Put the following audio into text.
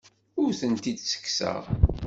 Ur tent-id-ttekkseɣ.